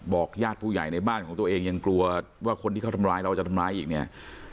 ญาติผู้ใหญ่ในบ้านของตัวเองยังกลัวว่าคนที่เขาทำร้ายเราจะทำร้ายอีกเนี่ย